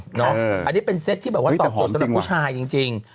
อันนี้เป็นเซตที่แบบว่าตอบโจทย์สำหรับผู้ชายจริง